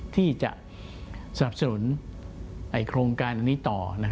ที่จะสนับสนุนโครงการอันนี้ต่อ